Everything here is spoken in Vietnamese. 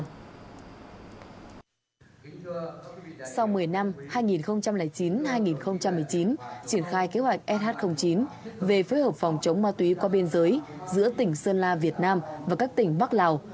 sau một mươi năm hai nghìn chín hai nghìn một mươi chín triển khai kế hoạch sh chín về phối hợp phòng chống ma túy qua biên giới giữa tỉnh sơn la việt nam và các tỉnh bắc lào